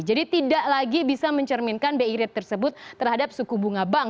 jadi tidak lagi bisa mencerminkan bi rate tersebut terhadap suku bunga bank